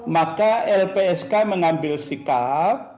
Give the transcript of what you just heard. maka lpsk mengambil sikap